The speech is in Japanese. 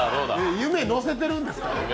夢のせてるんですか？